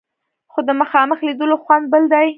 خو د مخامخ لیدلو خوند بل دی.